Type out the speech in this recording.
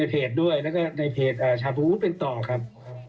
เพจด้วยแล้วก็ในเพจชาบูธเป็นต่อครับ